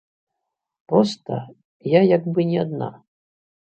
Проста я як бы не адна.